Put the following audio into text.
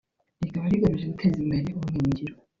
rikaba rigamije guteza imbere ubumenyi ngiro